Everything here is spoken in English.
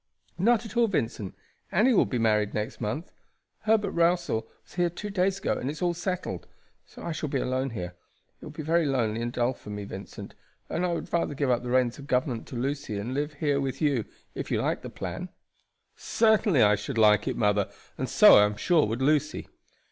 "Not at all, Vincent. Annie will be married next month. Herbert Rowsell was here two days ago, and it's all settled. So I shall be alone here. It will be very lonely and dull for me, Vincent, and I would rather give up the reins of government to Lucy and live here with you, if you like the plan." "Certainly, I should like it, mother, and so, I am sure, would Lucy."